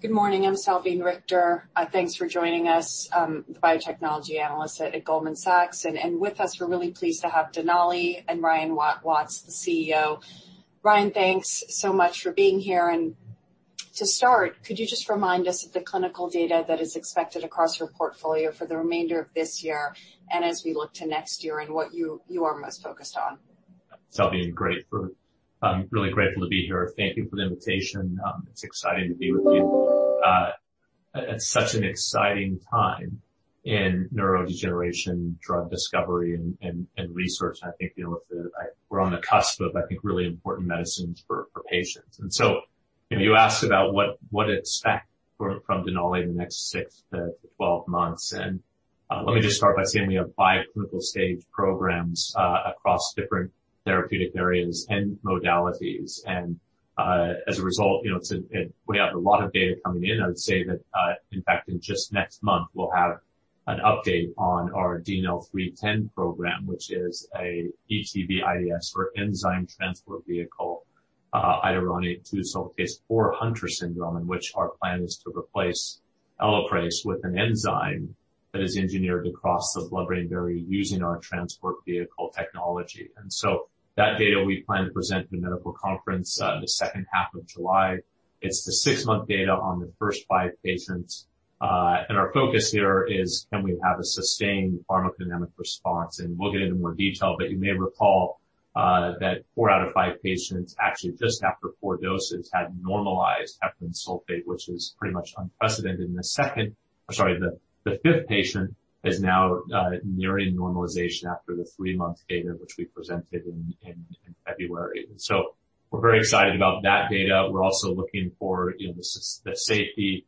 Good morning. I'm Salveen Richter. Thanks for joining us. I'm a biotechnology analyst at Goldman Sachs. With us, we're really pleased to have Denali and Ryan Watts, the CEO. Ryan, thanks so much for being here. To start, could you just remind us of the clinical data that is expected across your portfolio for the remainder of this year and as we look to next year and what you are most focused on? Salveen, really grateful to be here. Thank you for the invitation. It's exciting to be with you at such an exciting time in neurodegeneration, drug discovery, and research. I think we're on the cusp of, I think, really important medicines for patients. You asked about what to expect from Denali in the next 6 to 12 months, and let me just start by saying we have five clinical stage programs across different therapeutic areas and modalities. As a result, we have a lot of data coming in. I'd say that, in fact, in just next month, we'll have an update on our DNL310 program, which is an ETV:IDS or Enzyme Transport Vehicle, iduronate-2-sulfatase for Hunter syndrome, in which our plan is to replace Elaprase with an enzyme that is engineered across the blood-brain barrier using our Transport Vehicle technology. That data we plan to present at the medical conference in the second half of July. It's the six month data on the first five patients. Our focus here is can we have a sustained pharmacodynamic response? We'll get into more detail, but you may recall that four out of five patients, actually, just after four doses, had normalized heparan sulfate, which is pretty much unprecedented. The 5th patient is now nearing normalization after the three month data, which we presented in February. We're very excited about that data. We're also looking for the safety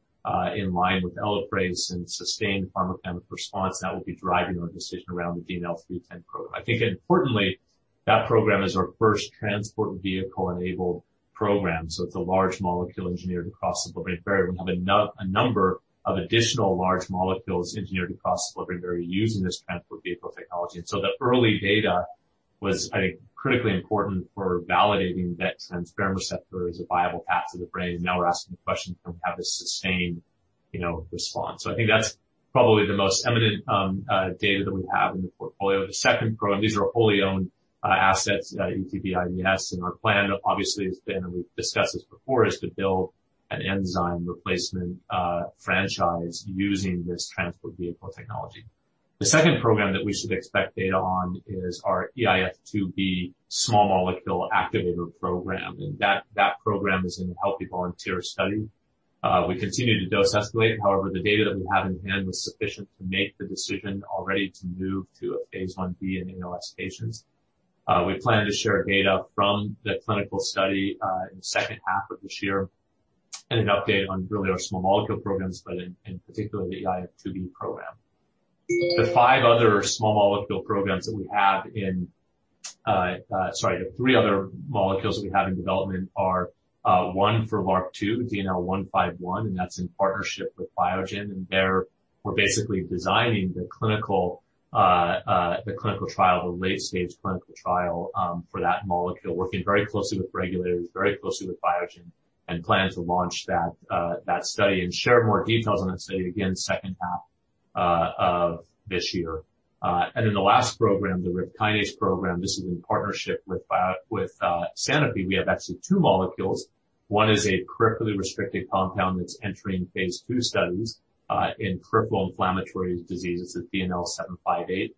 in line with Elaprase and sustained pharmacodynamic response that will be driving our decision around the DNL310 program. I think importantly, that program is our first Transport Vehicle-enabled program. It's a large molecule engineered across the blood-brain barrier. We have a number of additional large molecules engineered across the blood-brain barrier using this Transport Vehicle technology. The early data was, I think, critically important for validating that transferrin receptor as a viable path to the brain. Now we're asking the question, have a sustained response. I think that's probably the most eminent data that we have in the portfolio. The second program, these are wholly owned assets, ETV:IDS, our plan obviously has been, and we've discussed this before, is to build an enzyme replacement franchise using this Transport Vehicle technology. The second program that we should expect data on is our eIF2B small molecule activator program, that program is in a healthy volunteer study. We continue to dose escalate, however, the data that we have in hand was sufficient to make the decision already to move to a phase I-B in ALS patients. We plan to share data from the clinical study in the second half of this year and an update on really our small molecule programs, but in particular the eIF2B program. The three other molecules we have in development are one for LRRK2, DNL151, and that's in partnership with Biogen. There we're basically designing the late-stage clinical trial for that molecule, working very closely with regulators, very closely with Biogen, and plan to launch that study and share more details on that study, again, second half of this year. In the last program, the RIPK program, this is in partnership with Sanofi. We have actually two molecules. One is a peripherally restricted compound that's entering Phase II studies in peripheral inflammatory diseases at DNL-758.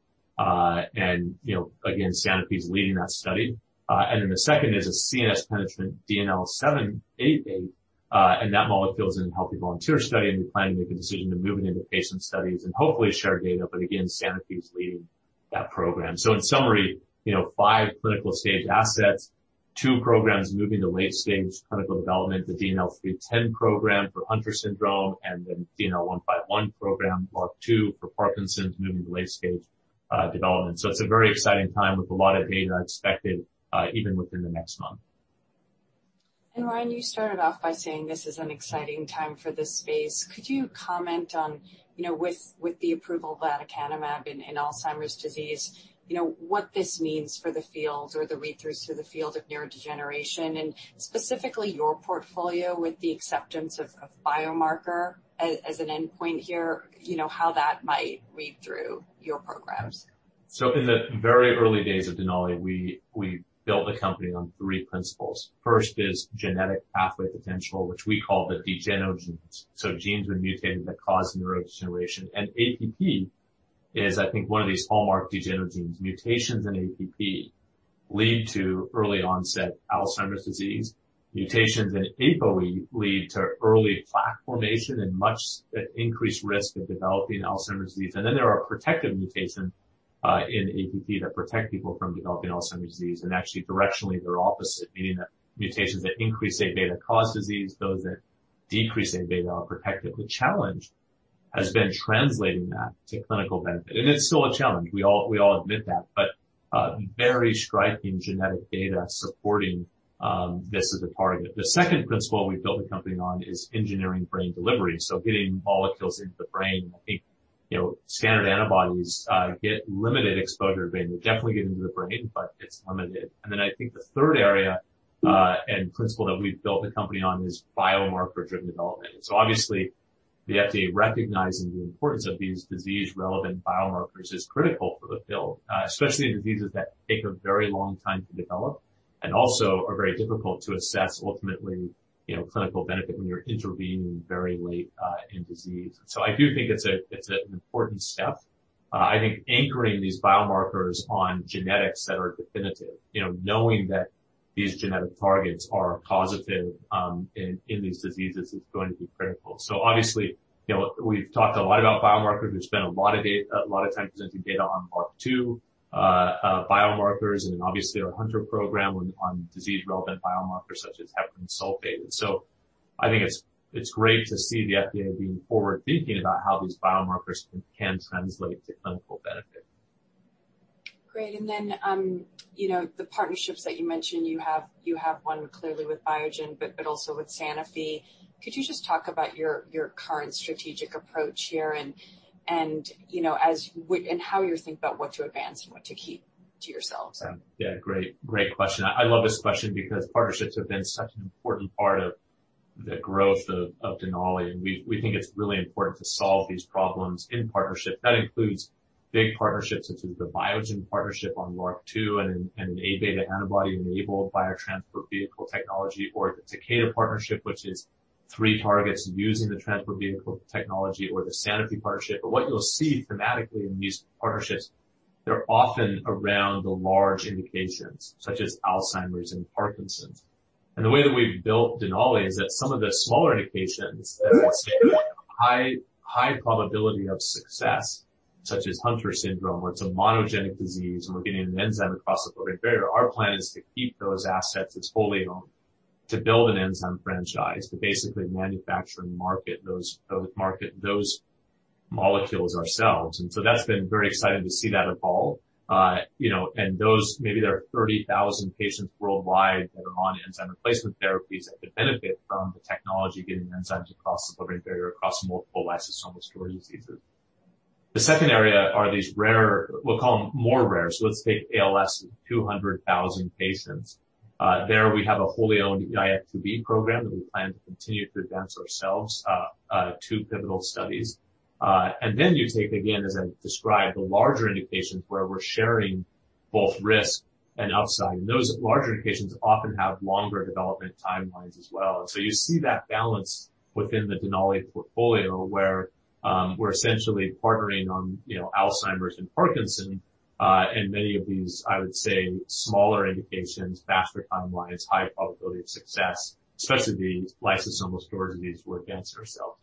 Again, Sanofi's leading that study. The second is a CNS penetrant DNL788, and that molecule's in a healthy volunteer study, and we plan to make a decision to move it into patient studies and hopefully share data, but again, Sanofi's leading that program. In summary, five clinical-stage assets, two programs moving to late-stage clinical development, the DNL310 program for Hunter syndrome and the DNL151 program, LRRK2 for Parkinson's, moving to late-stage development. It's a very exciting time with a lot of data expected even within the next month. Ryan, you started off by saying this is an exciting time for this space. Could you comment on, with the approval of lecanemab in Alzheimer's disease, what this means for the field or the read-throughs for the field of neurodegeneration and specifically your portfolio with the acceptance of a biomarker as an endpoint here, how that might read through your programs? In the very early days of Denali, we built the company on three principles. First is genetic pathway potential, which we call the DegeneroGenes. Genes are mutated that cause neurodegeneration. APP is, I think, one of these hallmark DegeneroGenes. Mutations in APP lead to early onset Alzheimer's disease. Mutations in APOE lead to early plaque formation and much increased risk of developing Alzheimer's disease. Then there are protective mutations in APP that protect people from developing Alzheimer's disease. Actually, directionally, they're opposite, meaning that mutations that increase A-beta cause disease, those that decrease A-beta are protective. The challenge has been translating that to clinical benefit. It's still a challenge, we all admit that, but very striking genetic data supporting this as a target. The second principle we built the company on is engineering brain delivery, getting molecules into the brain like standard antibodies get limited exposure to the brain. They definitely get into the brain, but it's limited. I think the third area and principle that we've built the company on is biomarker-driven development. Obviously, the FDA recognizing the importance of these disease-relevant biomarkers is critical for the field, especially in diseases that take a very long time to develop and also are very difficult to assess, ultimately, clinical benefit when you're intervening very late in disease. I do think it's an important step. I think anchoring these biomarkers on genetics that are definitive, knowing that these genetic targets are causative in these diseases is going to be critical. Obviously, we've talked a lot about biomarkers. We've spent a lot of time presenting data on LRRK2 biomarkers and obviously our Hunter program on disease-relevant biomarkers such as heparan sulfate. I think it's great to see the FDA being forward-thinking about how these biomarkers can translate to clinical benefit. Great. The partnerships that you mentioned, you have one clearly with Biogen, but also with Sanofi. Could you just talk about your current strategic approach here and how you think about what to advance and what to keep to yourself? Yeah. Great question. I love this question because partnerships have been such an important part of the growth of Denali, and we think it's really important to solve these problems in partnership. That includes big partnerships, such as the Biogen partnership on LRRK2 and A-beta antibody-enabled biotransport vehicle technology, or the Takeda partnership, which is three targets using the Transport Vehicle technology or the Sanofi partnership. What you'll see thematically in these partnerships, they're often around the large indications, such as Alzheimer's and Parkinson's. The way that we've built Denali is that some of the smaller indications that have, say, high probability of success, such as Hunter syndrome, where it's a monogenic disease and we're getting an enzyme across the blood-brain barrier. Our plan is to keep those assets as wholly owned, to build an enzyme franchise, to basically manufacture and market those molecules ourselves. That's been very exciting to see that evolve. Those, maybe there are 30,000 patients worldwide that are on enzyme replacement therapies that could benefit from the technology, getting enzymes across the blood-brain barrier, across multiple lysosomal storage diseases. The second area are these rare, we'll call them more rare. Let's take ALS with 200,000 patients. There, we have a wholly owned DI2V program that we plan to continue to advance ourselves, two pivotal studies. You take, again, as I described, the larger indications where we're sharing both risk and upside. Those larger indications often have longer development timelines as well. You see that balance within the Denali portfolio where we're essentially partnering on Alzheimer's and Parkinson's. Many of these, I would say, smaller indications, faster timelines, high probability of success, especially the lysosomal storage disease, we're against ourselves.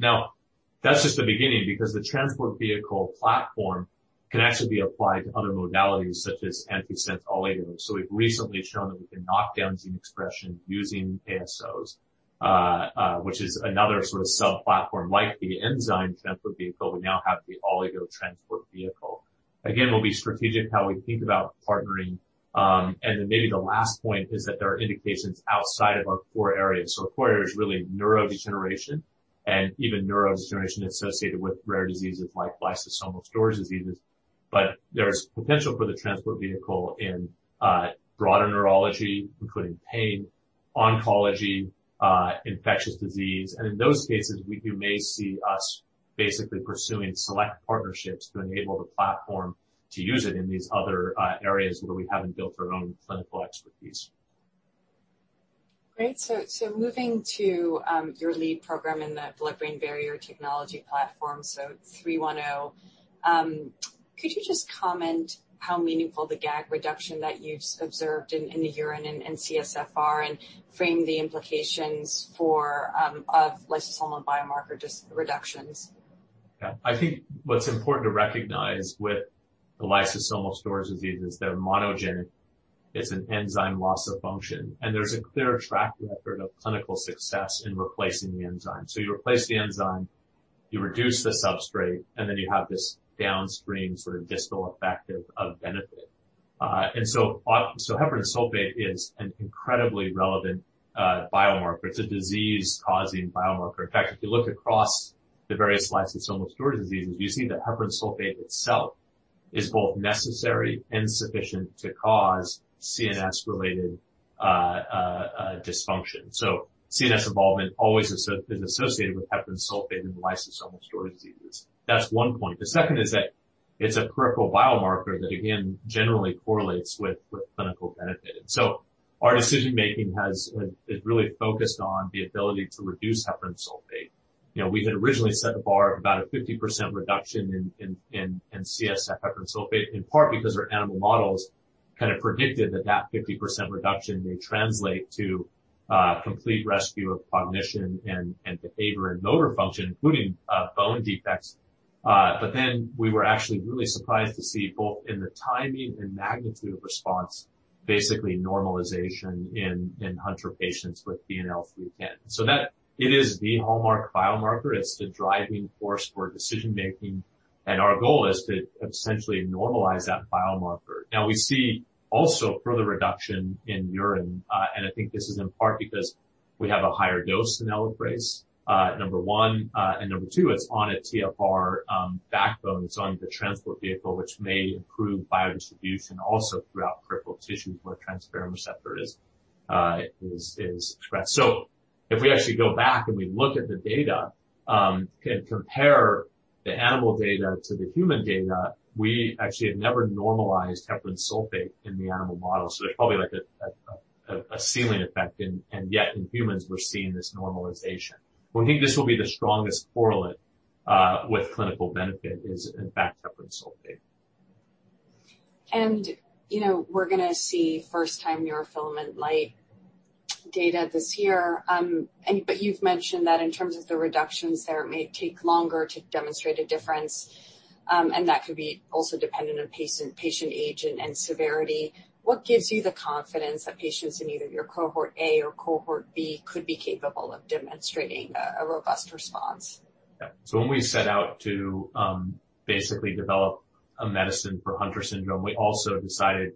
That's just the beginning, because the transport vehicle platform can actually be applied to other modalities, such as antisense oligos. We've recently shown that we can knock down gene expression using ASOs, which is another sort of sub-platform like the enzyme transport vehicle. We now have the oligo transport vehicle. We'll be strategic how we think about partnering. Maybe the last point is that there are indications outside of our core areas. Our core area is really neurodegeneration, and even neurodegeneration associated with rare diseases like lysosomal storage diseases. There's potential for the transport vehicle in broader neurology, including pain, oncology, infectious disease. In those cases, you may see us basically pursuing select partnerships to enable the platform to use it in these other areas where we haven't built our own clinical expertise. Great. Moving to your lead program in the blood-brain barrier technology platform, so 310. Could you just comment how meaningful the GAG reduction that you've observed in the urine and CSF and frame the implications of lysosomal biomarker reductions? I think what's important to recognize with the lysosomal storage diseases, they're monogenic, it's an enzyme loss of function, there's a clear track record of clinical success in replacing the enzyme. You replace the enzyme, you reduce the substrate, then you have this downstream sort of distal effective benefit. Heparan sulfate is an incredibly relevant biomarker. It's a disease-causing biomarker. In fact, if you look across the various lysosomal storage diseases, you see that heparan sulfate itself is both necessary and sufficient to cause CNS-related dysfunction. CNS involvement always is associated with heparan sulfate and lysosomal storage diseases. That's one point. The second is that it's a peripheral biomarker that, again, generally correlates with clinical benefit. Our decision-making has really focused on the ability to reduce heparan sulfate. We had originally set a bar of about a 50% reduction in CSF heparan sulfate, in part because our animal models kind of predicted that 50% reduction may translate to complete rescue of cognition and behavior and motor function, including bone defects. We were actually really surprised to see both in the timing and magnitude of response, basically normalization in Hunter patients with DNL310. That it is the hallmark biomarker. It's the driving force for decision-making, and our goal is to essentially normalize that biomarker. We see also further reduction in urine, and I think this is in part because we have a higher dose in Elaprase, number 1. Number 2, it's on a TfR backbone. It's on the Transport Vehicle, which may improve biodistribution also throughout peripheral tissues where transferrin receptor is expressed. If we actually go back and we look at the data and compare the animal data to the human data, we actually had never normalized heparan sulfate in the animal model, so it probably had a ceiling effect. Yet in humans, we're seeing this normalization. We think this will be the strongest correlate with clinical benefit is in fact heparan sulfate. We're going to see first-time neurofilament light data this year. You've mentioned that in terms of the reductions there, it may take longer to demonstrate a difference, and that could be also dependent on patient age and severity. What gives you the confidence that patients in either your Cohort A or Cohort B could be capable of demonstrating a robust response? Yeah. When we set out to basically develop a medicine for Hunter syndrome, we also decided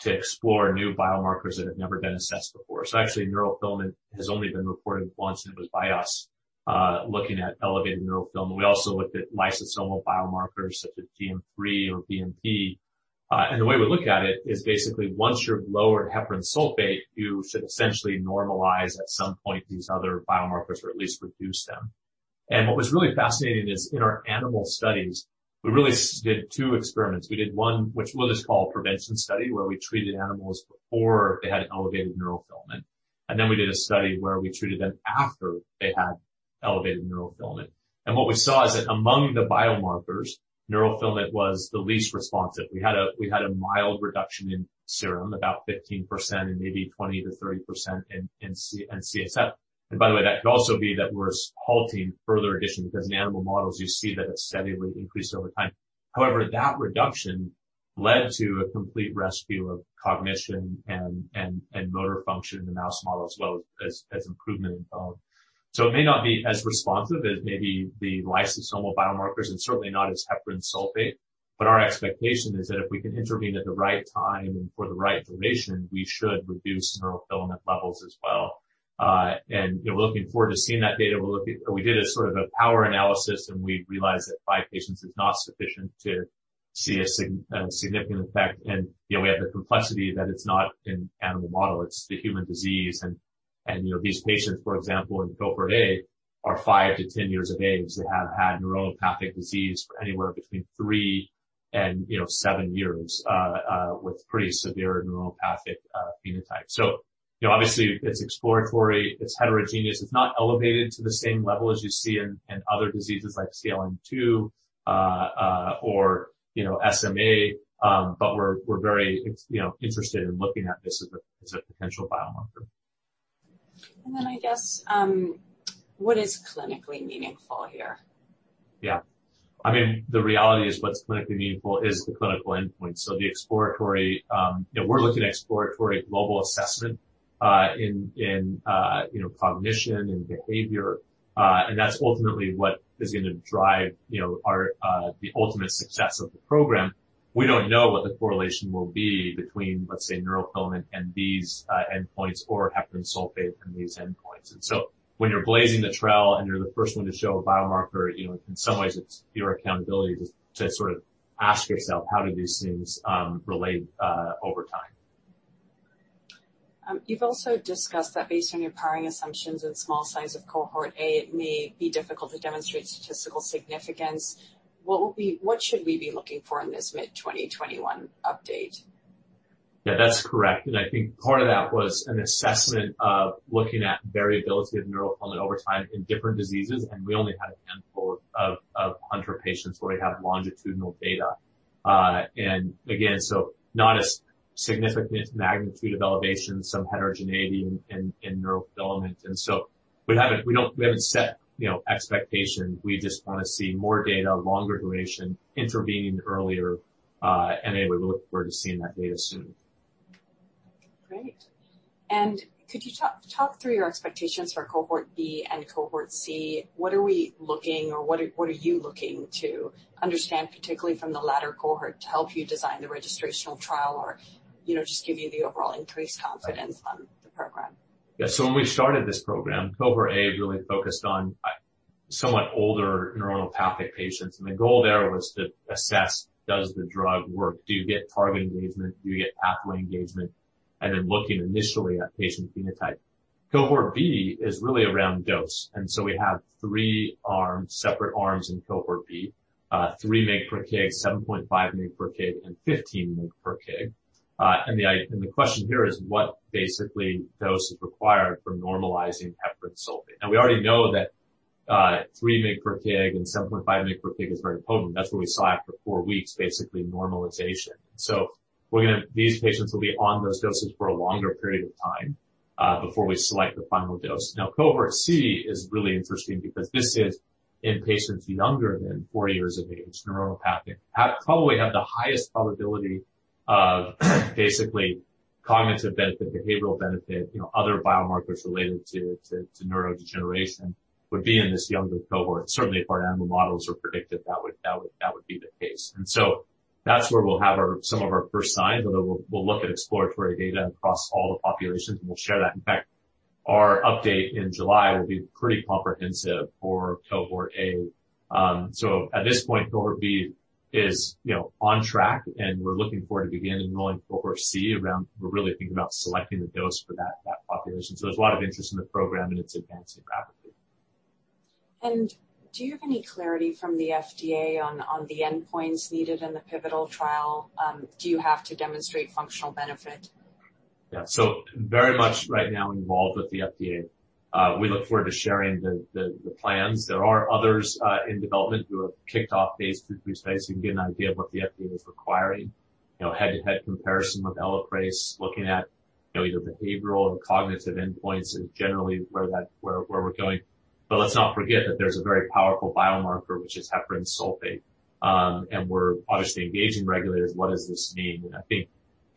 to explore new biomarkers that have never been assessed before. Actually, neurofilament has only been reported once, and it was by us, looking at elevated neurofilament. We also looked at lysosomal biomarkers such as GM3 or BMP. The way we look at it is basically once you've lowered heparan sulfate, you should essentially normalize at some point these other biomarkers or at least reduce them. What was really fascinating is in our animal studies, we really did two experiments. We did one, which was called prevention study, where we treated animals before they had elevated neurofilament. Then we did a study where we treated them after they had elevated neurofilament. What we saw is that among the biomarkers, neurofilament was the least responsive. We had a mild reduction in serum, about 15% and maybe 20%-30% in CSF. By the way, that could also be that we're halting further addition, because in animal models you see that it steadily increased over time. However, that reduction led to a complete rescue of cognition and motor function in the mouse model, as well as improvement in bone. It may not be as responsive as maybe the lysosomal biomarkers and certainly not as heparan sulfate. Our expectation is that if we can intervene at the right time and for the right duration, we should reduce neurofilament levels as well. We're looking forward to seeing that data. We did a sort of a power analysis, and we realized that five patients is not sufficient to see a significant effect. We have the complexity that it's not an animal model, it's a human disease. These patients, for example, in Cohort A, are 5 to 10 years of age. They have had neuropathic disease for anywhere between three and seven years with pretty severe neuropathic phenotype. Obviously it's exploratory, it's heterogeneous. It's not elevated to the same level as you see in other diseases like CLN2 or SMA. We're very interested in looking at this as a potential biomarker. I guess, what is clinically meaningful here? Yeah. The reality is what's clinically meaningful is the clinical endpoint. We're looking at exploratory global assessment in cognition and behavior. That's ultimately what is going to drive the ultimate success of the program. We don't know what the correlation will be between, let's say, neurofilament and these endpoints or heparan sulfate and these endpoints. When you're blazing the trail and you're the first one to show a biomarker, in some ways it's your accountability to sort of ask yourself how do these things relate over time. You've also discussed that based on your powering assumptions and small size of Cohort A, it may be difficult to demonstrate statistical significance. What should we be looking for in this mid-2021 update? Yeah, that's correct. I think part of that was an assessment of looking at variability of neurofilament over time in different diseases. We only had a handful of Hunter patients where we'd have longitudinal data. Again, not a significant magnitude of elevation, some heterogeneity in neurofilament. We haven't set expectations. We just want to see more data, longer duration, intervening earlier. We look forward to seeing that data soon. Great. Could you talk through your expectations for Cohort B and Cohort C? What are you looking to understand, particularly from the latter Cohort, to help you design the registrational trial or just to give you the overall increased confidence on the program? When we started this program, Cohort A really focused on somewhat older neuropathic patients. The goal there was to assess does the drug work? Do you get target engagement? Do you get pathway engagement? Looking initially at patient phenotype. Cohort B is really around dose. We have three separate arms in Cohort B, 3mg/kg, 7.5mg/kg, and 15mg/kg. The question here is what basically dose is required for normalizing heparan sulfate. We already know that 3mg/kg and 7.5 mg/kg is very potent. That's what we saw after four weeks, basically normalization. These patients will be on those doses for a longer period of time before we select the final dose. Cohort C is really interesting because this is in patients younger than four years of age, neuropathic. Probably have the highest probability of basically cognitive benefit, behavioral benefit, other biomarkers related to neurodegeneration would be in this younger Cohort. Certainly, if our animal models are predictive, that would be the case. That's where we'll have some of our first signs, but we'll look at exploratory data across all the populations, and we'll share that. In fact, our update in July will be pretty comprehensive for Cohort A. At this point, Cohort B is on track, and we're looking forward to beginning enrolling Cohort C. We're really thinking about selecting the dose for that population. There's a lot of interest in the program, and it's advancing rapidly. Do you have any clarity from the FDA on the endpoints needed in the pivotal trial? Do you have to demonstrate functional benefit? Yeah. Very much right now involved with the FDA. We look forward to sharing the plans. There are others in development who have kicked off phase II, phase III, so we can get an idea of what the FDA is requiring. Head-to-head comparison with Elaprase, looking at your behavioral and cognitive endpoints is generally where we're going. Let's not forget that there's a very powerful biomarker, which is heparan sulfate. We're obviously engaging regulators. What does this mean? I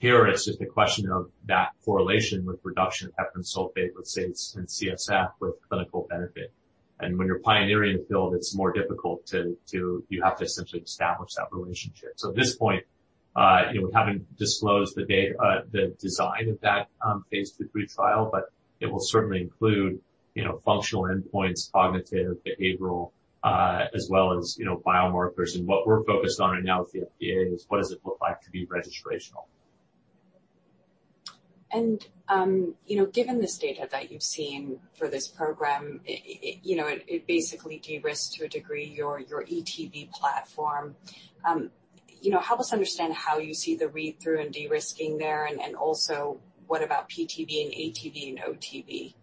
think here it's just a question of that correlation with reduction of heparan sulfate, let's say it's in CSF, with clinical benefit. When you're pioneering the field, it's more difficult. You have to essentially establish that relationship. At this point, we haven't disclosed the design of that phase II/III trial, but it will certainly include functional endpoints, cognitive, behavioral, as well as biomarkers. What we're focused on right now with the FDA is what does it look like to be registrational. Given this data that you've seen for this program, it basically de-risks to a degree your ETV platform. Help us understand how you see the read-through and de-risking there, then also what about PTV and ETV and OTV?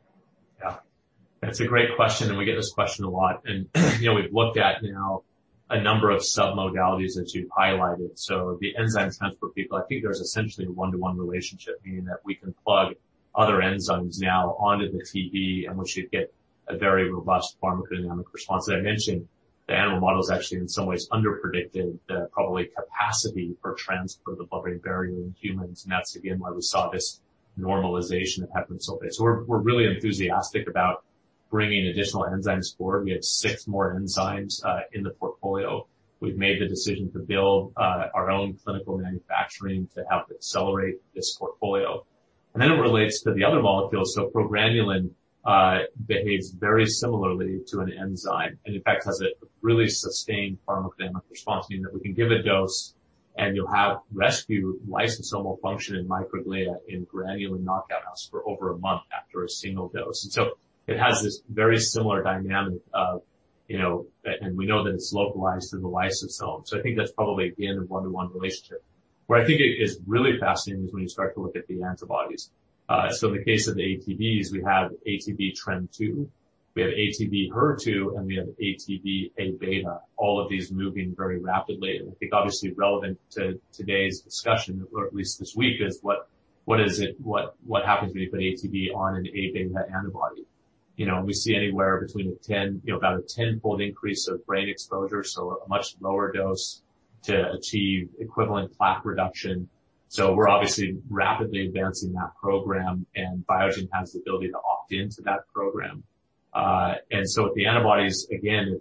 That's a great question, and we get this question a lot. We've looked at now a number of submodalities that you've highlighted. The Enzyme Transport Vehicle, I think there's essentially a 1-to-1 relationship, meaning that we can plug other enzymes now onto the TV, and we should get a very robust pharmacodynamic response. As I mentioned, the animal model is actually in some ways underpredicting the probably capacity for transfer of the blood-brain barrier in humans, and that's again why we saw this normalization of heparan sulfate. We're really enthusiastic about bringing additional enzymes forward. We have six more enzymes in the portfolio. We've made the decision to build our own clinical manufacturing to help accelerate this portfolio. Then it relates to the other molecules. Progranulin behaves very similarly to an enzyme, and in fact, has a really sustained pharmacodynamic response, meaning that we can give a dose, and you'll have rescue lysosomal function in microglia in granulin knockout mouse for over a month after a single dose. It has this very similar dynamic of, and we know that it's localized in the lysosome. I think that's probably again a 1-to-1 relationship. Where I think it is really fascinating is when you start to look at the antibodies. In the case of the ATVs, we have ATV:TREM2, we have ATV:HER2, and we have ATV:Abeta, all of these moving very rapidly. I think obviously relevant to today's discussion, or at least this week, is what happens if we put ATV on an A-beta antibody. We see anywhere between about a 10-fold increase of brain exposure, so a much lower dose to achieve equivalent plaque reduction. We're obviously rapidly advancing that program, and Biogen has the ability to opt into that program. With the antibodies, again,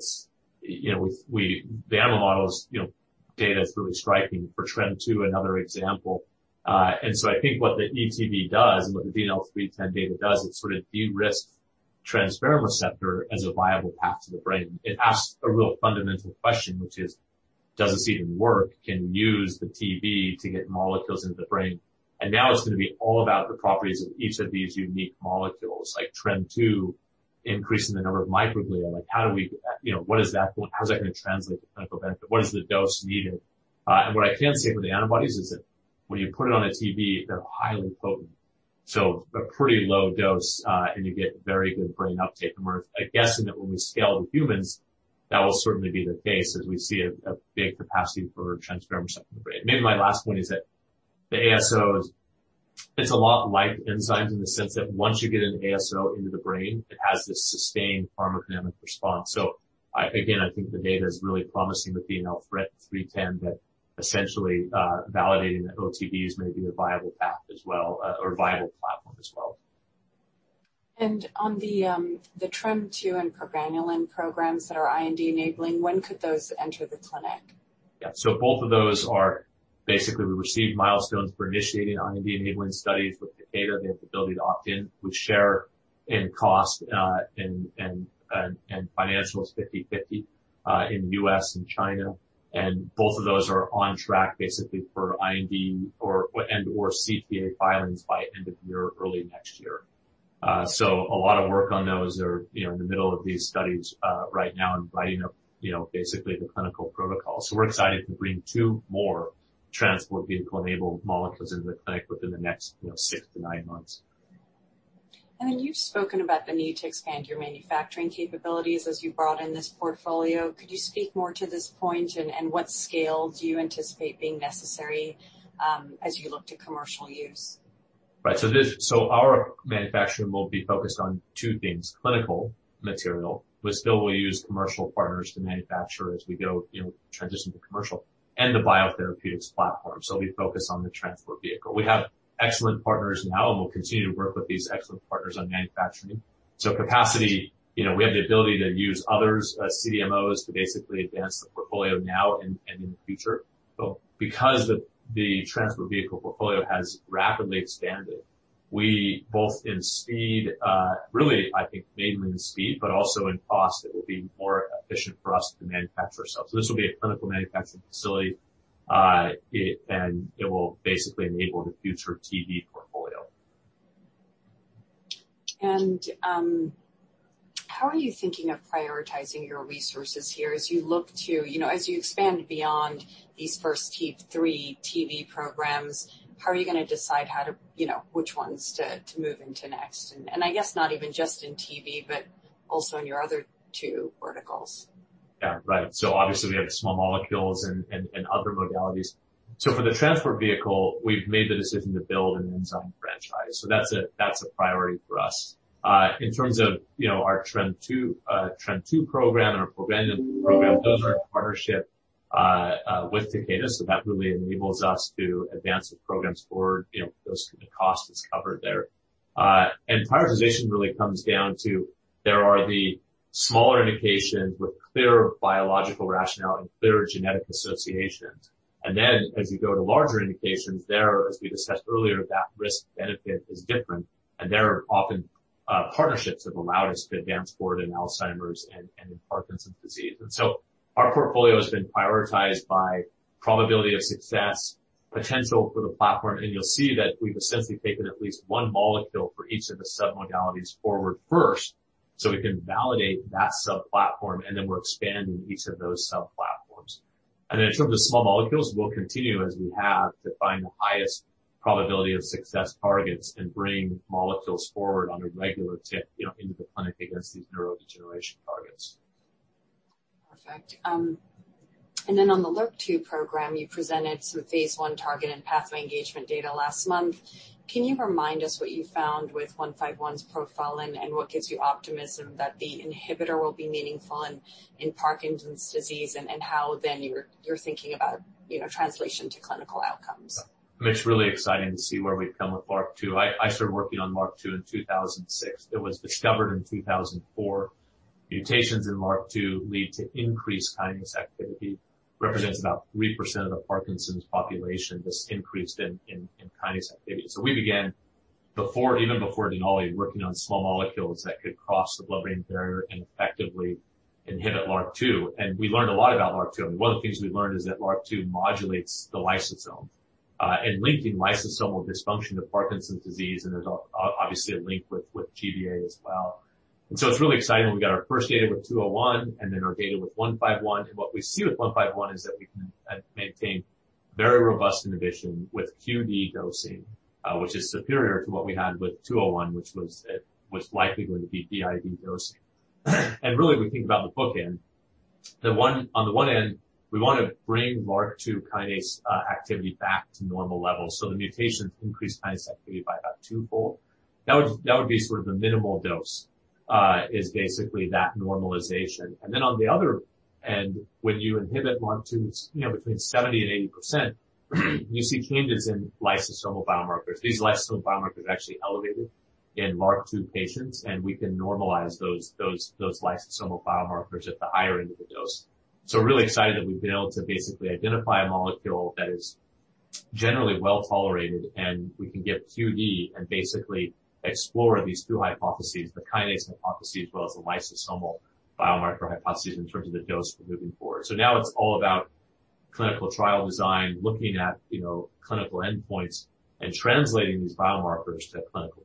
the animal model's data is really striking. For TREM2, another example. I think what the ETV does and what the DNL310 data does, it sort of de-risks transferrin receptor as a viable path to the brain. It asks a real fundamental question, which is, does this even work? Can you use the TV to get molecules into the brain? Now it's going to be all about the properties of each of these unique molecules, like TREM2 increasing the number of microglia. How is that going to translate to clinical benefit? What is the dose needed? What I can say for the antibodies is that when you put it on a TV, they're highly potent. A pretty low dose, and you get very good brain uptake. We're guessing that when we scale to humans, that will certainly be the case as we see a big capacity for transferrin receptor. Maybe my last point is that the ASO is a lot like enzymes in the sense that once you get an ASO into the brain, it has this sustained pharmacodynamic response. Again, I think the data's really promising with the DNL310, but essentially validating that OTV is maybe a viable path as well, or a viable platform as well. On the TREM2 and progranulin programs that are IND-enabling, when could those enter the clinic? Yeah. Both of those are basically we received milestones for initiating IND-enabling studies with the data. They have the ability to opt in. We share in cost and financials 50-50 in U.S. and China. Both of those are on track basically for IND and/or CTA filings by end of year, early next year. A lot of work on those. They're in the middle of these studies right now and writing up basically the clinical protocol. We're excited to bring two more Transport Vehicle-enabled molecules into the clinic within the next 6-9 months. You've spoken about the need to expand your manufacturing capabilities as you brought in this portfolio. Could you speak more to this point, and what scale do you anticipate being necessary as you look to commercial use? Right. Our manufacturing will be focused on two things, clinical material. We still will use commercial partners to manufacture as we go transition to commercial, and the biotherapeutics platform. We focus on the Transport Vehicle. We have excellent partners now, and we'll continue to work with these excellent partners on manufacturing. Capacity, we have the ability to use other CDMOs to basically advance the portfolio now and in the future. Because the Transport Vehicle portfolio has rapidly expanded, we both in speed, really, I think mainly in speed, but also in cost, it will be more efficient for us to manufacture ourselves. This will be a clinical manufacturing facility, and it will basically enable the future TV portfolio. How are you thinking of prioritizing your resources here as you expand beyond these first three TV programs? How are you going to decide which ones to move into next? I guess not even just in TV, but also in your other two verticals. Yeah, right. Obviously we have small molecules and other modalities. For the Transport Vehicle, we've made the decision to build an enzyme franchise. That's a priority for us. In terms of our TREM2 program, our preventative program, those are in partnership with Takeda, so that really enables us to advance the programs forward. Those costs are covered there. Prioritization really comes down to, there are the smaller indications with clearer biological rationale and clearer genetic associations. Then as you go to larger indications there, as we discussed earlier, that risk-benefit is different, and there are often partnerships that allow us to advance forward in Alzheimer's and in Parkinson's disease. Our portfolio has been prioritized by probability of success, potential for the platform, and you'll see that we've essentially taken at least one molecule for each of the submodalities forward first so we can validate that sub-platform. Then we're expanding each of those sub-platforms. In terms of small molecules, we'll continue as we have to find the highest probability of success targets and bring molecules forward on a regular clip into the clinic against these neurodegeneration targets. Perfect. On the LRRK2 program, you presented some phase I target and PD engagement data last month. Can you remind us what you found with 151's profiling and what gives you optimism that the inhibitor will be meaningful in Parkinson's disease and how then you're thinking about translation to clinical outcomes? It's really exciting to see where we've come with LRRK2. I started working on LRRK2 in 2006. It was discovered in 2004. Mutations in LRRK2 lead to increased kinase activity, represents about 3% of the Parkinson's population that's increased in kinase activity. We began even before Denali, working on small molecules that could cross the blood-brain barrier and effectively inhibit LRRK2. We learned a lot about LRRK2. One of the things we learned is that LRRK2 modulates the lysosome and linking lysosomal dysfunction to Parkinson's disease, and there's obviously a link with GBA as well. It's really exciting. We got our first data with 201 and then our data with 151. What we see with DNL151 is that we can maintain very robust inhibition with QD dosing, which is superior to what we had with DNL201, which was likely going to be BID dosing. Really, we think about the bookend. On the one end, we want to bring LRRK2 kinase activity back to normal levels, so the mutations increase kinase activity by about 2-fold. That would be sort of the minimal dose, is basically that normalization. On the other end, when you inhibit LRRK2 between 70%-80%, you see changes in lysosomal biomarkers. These lysosomal biomarkers are actually elevated in LRRK2 patients, and we can normalize those lysosomal biomarkers at the higher end of the dose. Really excited that we've been able to identify a molecule that is generally well-tolerated, and we can get QD and explore these two hypotheses, the kinase hypothesis as well as the lysosomal biomarker hypothesis in terms of the dose we're moving forward. Now it's all about clinical trial design, looking at clinical endpoints, and translating these biomarkers to clinical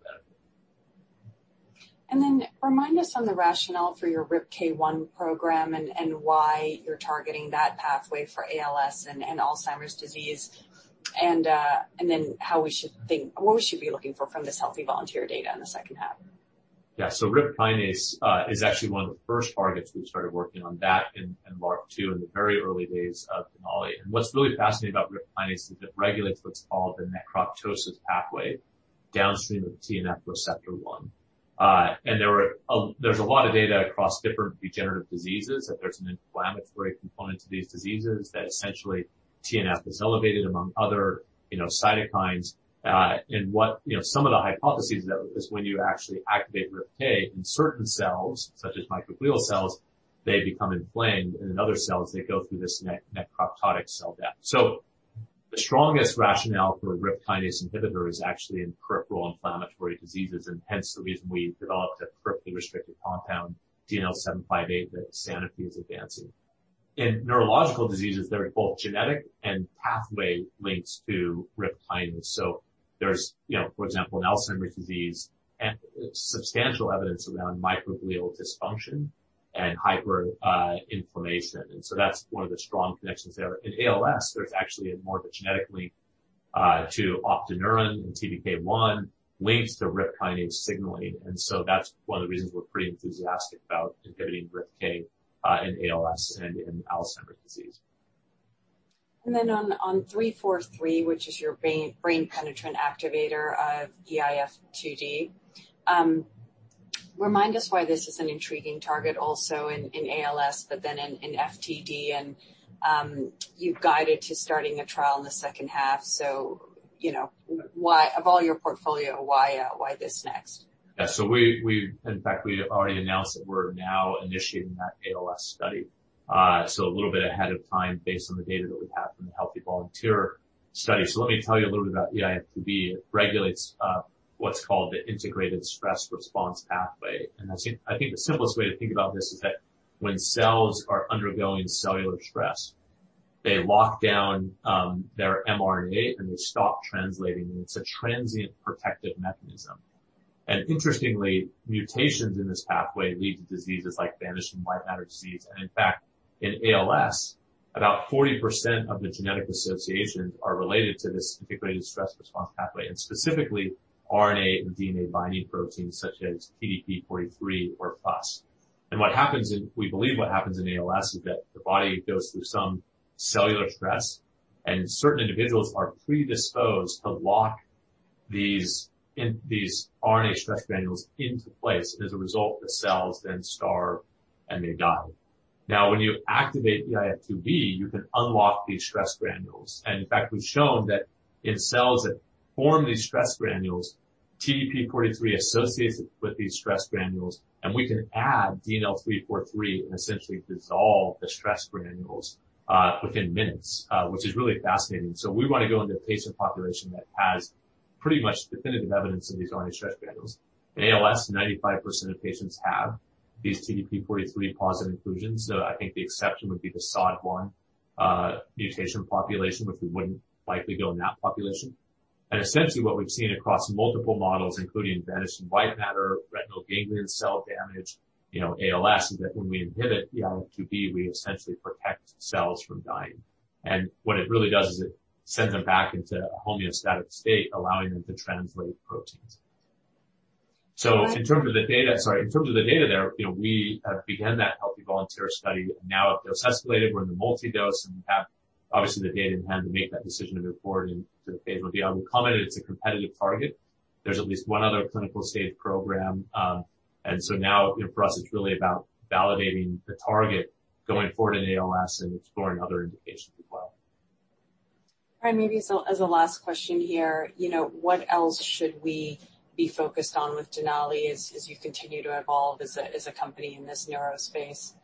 benefit. Remind us on the rationale for your RIPK1 program and why you're targeting that pathway for ALS and Alzheimer's disease, and then what we should be looking for from this healthy volunteer data in the second half? Yeah. RIPK kinase is actually one of the first targets. We started working on that and LRRK2 in the very early days of Denali. What's really fascinating about RIPK kinase is it regulates what's called the necroptosis pathway downstream of TNF receptor 1. There's a lot of data across different degenerative diseases that there's an inflammatory component to these diseases that essentially TNF is elevated among other cytokines. Some of the hypotheses is when you actually activate RIPK in certain cells, such as microglial cells, they become inflamed. In other cells, they go through this necroptotic cell death. The strongest rationale for a RIPK kinase inhibitor is actually in peripheral inflammatory diseases, and hence the reason we developed a peripherally restricted compound, DNL-758, that Sanofi's advancing. In neurological diseases, there are both genetic and pathway links to RIPK kinase. There's, for example, in Alzheimer's disease, substantial evidence around microglial dysfunction and hyperinflammation. That's one of the strong connections there. In ALS, there's actually a more of a genetic link to optineurin and TBK1 links to RIP kinase signaling, that's one of the reasons we're pretty enthusiastic about inhibiting RIPK in ALS and in Alzheimer's disease. On DNL343, which is your CNS penetrant activator of eIF2B. Remind us why this is an intriguing target also in ALS but then in FTD, and you've guided to starting a trial in the second half. Of all your portfolio, why this next? In fact, we've already announced that we're now initiating that ALS study. A little bit ahead of time based on the data that we have from the healthy volunteer study. Let me tell you a little bit about the eIF2B. It regulates what's called the integrated stress response pathway, and I think the simplest way to think about this is that when cells are undergoing cellular stress. They lock down their mRNA and they stop translating, and it's a transient protective mechanism. Interestingly, mutations in this pathway lead to diseases like vanishing white matter disease. In fact, in ALS, about 40% of the genetic associations are related to this integrated stress response pathway, and specifically RNA and DNA binding proteins such as TDP-43 or FUS. We believe what happens in ALS is that the body goes through some cellular stress, and certain individuals are predisposed to lock these RNA stress granules into place, and as a result, the cells then starve, and they die. When you activate eIF2B, you can unlock these stress granules. In fact, we've shown that in cells that form these stress granules, TDP-43 associates with these stress granules, and we can add DNL343 and essentially dissolve the stress granules within minutes which is really fascinating. We want to go into a patient population that has pretty much definitive evidence of these RNA stress granules. ALS, 95% of patients have these TDP-43 positive inclusions, so I think the exception would be the SOD1 mutation population, but we wouldn't likely go in that population. Essentially what we've seen across multiple models, including vanishing white matter, retinal ganglion cell damage, ALS, is that when we inhibit eIF2B, we essentially protect cells from dying. What it really does is it sends them back into a homeostatic state, allowing them to translate proteins. In terms of the data there, we have begun that healthy volunteer study. Now at dose escalated, we're in the multi-dose, and we have obviously the data in hand to make that decision to report in the phase I. The other comment, it's a competitive target. There's at least one other clinical-stage program. Now for us, it's really about validating the target going forward in ALS and exploring other indications as well. Ryan, maybe as a last question here, what else should we be focused on with Denali as you continue to evolve as a company in this neuro space?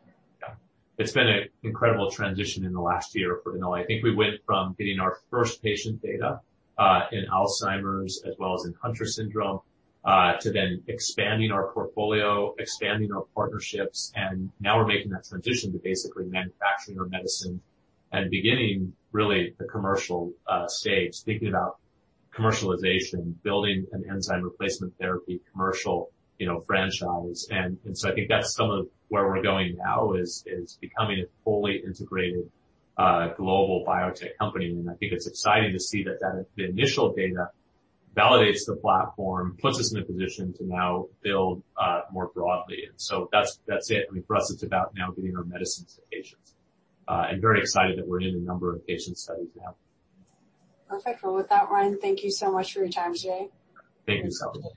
Yeah. It's been an incredible transition in the last year for Denali. I think we went from getting our first patient data in Alzheimer's as well as in Hunter syndrome to then expanding our portfolio, expanding our partnerships, and now we're making that transition to basically manufacturing our medicines and beginning really the commercial stage, thinking about commercialization, building an enzyme replacement therapy commercial franchise. I think that's some of where we're going now is becoming a fully integrated global biotech company, and I think it's exciting to see that the initial data validates the platform, puts us in a position to now build more broadly. That's it. I mean, for us, it's about now getting our medicines to patients. Very excited that we're in a number of patient studies now. Perfect. Well, with that, Ryan, thank you so much for your time today. Thank you so much.